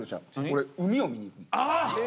俺海を見に行く。